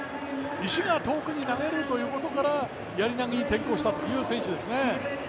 石が遠くに投げられるということから、やり投に転向したという選手ですね。